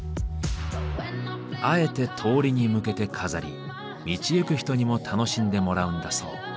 あえて通りに向けて飾り道行く人にも楽しんでもらうんだそう。